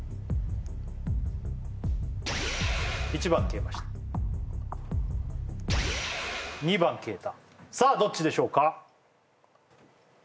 １番消えました２番消えたさあどっちでしょうか？